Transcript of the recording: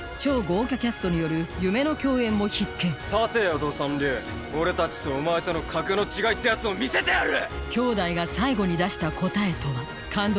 豪華キャストによる夢の共演も必見立てよど三流俺達とお前との格の違いってやつを見せてやる！